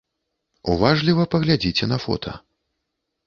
Уважліва паглядзіце на фота.